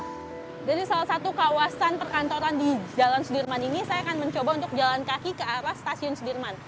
dari salah satu kawasan perkantoran di jalan sudirman ini saya akan mencoba untuk jalan kaki ke arah stasiun sudirman